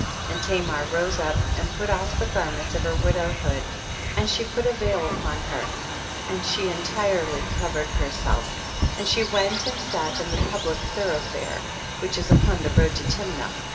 31. And Tamar rose up and put off the garments of her widowhood, and she put a vail upon her, and she entirely covered herself, and she went and sat in the public thorough fare, which is upon the road to Tim nah.